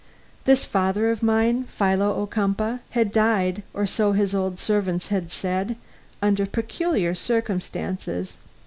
This father of mine, Philo Ocumpaugh, had died, or so his old servants had said, under peculiar circumstances.